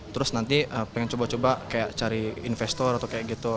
terus nanti pengen coba coba kayak cari investor atau kayak gitu